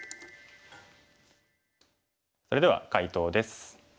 それでは解答です。